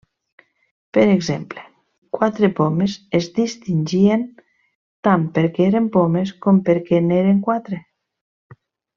Per exemple, quatre pomes es distingien tant perquè eren pomes com perquè n’eren quatre.